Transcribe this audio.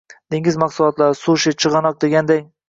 dengiz mahsulotlari, sushi, chig‘anoq deganday...